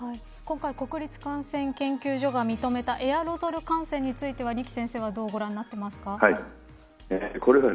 今回、国立感染研究所が認めたエアロゾル感染については二木先生はどうご覧になってますか。